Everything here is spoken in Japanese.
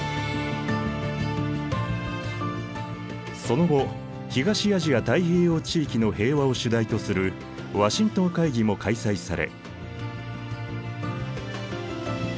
その後東アジア太平洋地域の平和を主題とするワシントン会議も開催され。